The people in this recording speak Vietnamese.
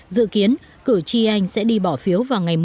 dự kiến cử tri anh sẽ đi bỏ phiếu vào ngày một mươi hai tháng một mươi hai